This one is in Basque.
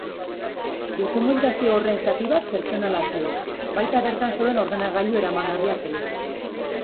Dokumentazio horren zati bat pertsonala zen, baita bertan zeuden ordenagailu eramangarriak ere.